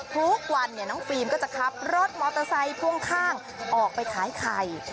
ทุกวันน้องฟิล์มก็จะขับรถมอเตอร์ไซค์พ่วงข้างออกไปขายไข่